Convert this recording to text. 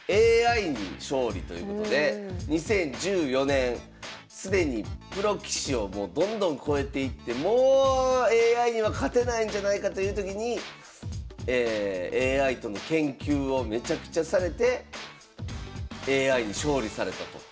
「ＡＩに勝利」ということで２０１４年既にプロ棋士をもうどんどん超えていってもうＡＩには勝てないんじゃないかという時にＡＩとの研究をめちゃくちゃされてＡＩに勝利されたと。